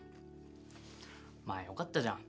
まっよかったじゃん